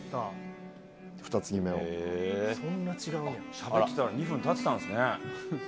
しゃべってたら２分たってたんすね。